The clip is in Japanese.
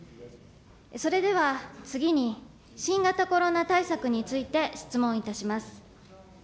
それでは次に、新型コロナ対策について質問いたします。